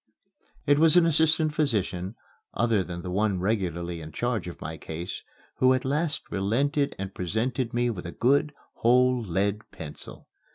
It was an assistant physician, other than the one regularly in charge of my case, who at last relented and presented me with a good, whole lead pencil.